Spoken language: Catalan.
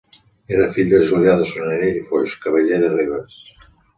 Era fill de Julià de Solanell i Foix, cavaller de Ribes.